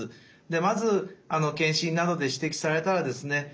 でまず検診などで指摘されたらですね